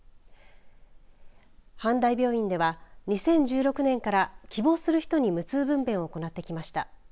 阪大病院では２０１６年から希望する人に無痛分娩を行ってきました。